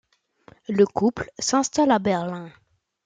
Le couple s'installe à Berlin.